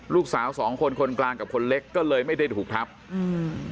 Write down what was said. ลูกสาวสองคนคนกลางกับคนเล็กก็เลยไม่ได้ถูกทับอืม